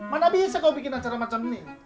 mana bisa kau bikin acara macam ini